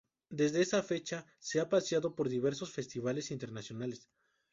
Desde esa fecha, se ha paseado por diversos festivales internacionales.